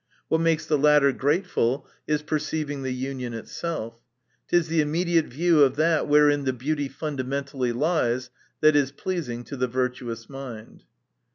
What makes the latter grateful, is perceiving the union itself. It is the immediate view of that wherein the beauty fundamentally lies, that is pleasing to the vir tuous mind.